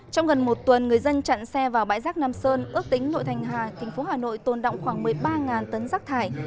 trong gần một tuần người dân chặn xe vào bãi rác nam sơn ước tính nội thành hà thành phố hà nội tồn động khoảng một mươi ba tấn rác thải